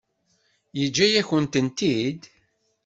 Yeǧǧa-yak-tent-id?